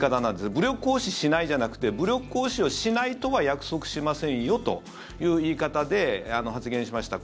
武力行使しないじゃなくて武力行使しないとは約束しませんよという言い方で発言しました。